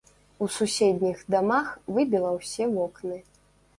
У суседніх дамах выбіла ўсе вокны.